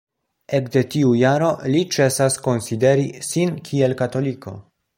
Ekde tiu jaro li ĉesas konsideri sin kiel katoliko.